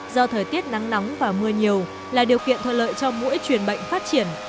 do thời tiết nắng nóng và mưa nhiều là điều kiện thuận lợi cho mũi truyền bệnh phát triển